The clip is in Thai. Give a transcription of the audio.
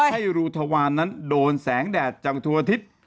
ให้รูทวารนั้นโดนแสงแดดจังทั่วอาทิตย์